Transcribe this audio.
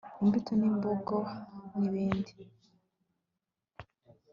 imbuto ni mboga nibindi